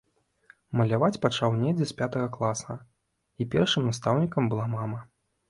Маляваць пачаў недзе з пятага класа, і першым настаўнікам была мама.